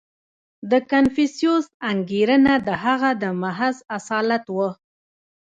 • د کنفوسیوس انګېرنه د هغه د محض اصالت وه.